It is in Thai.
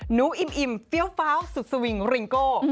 หนูอิ่มอิ่มเฟี้ยวเฟ้าสุดสวิงริงโก